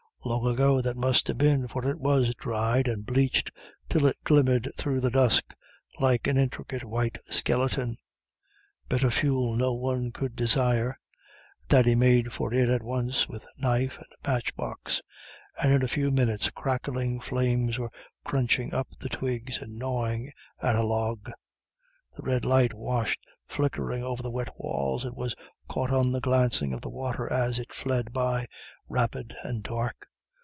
Long ago that must have been, for it was dried and bleached till it glimmered through the dusk like an intricate white skeleton. Better fuel no one could desire. Thady made for it at once with knife and matchbox, and in a few minutes crackling flames were crunching up the twigs and gnawing at a log. The red light washed flickering over the wet walls, and was caught on the glancing of the water as it fled by, rapid and dark.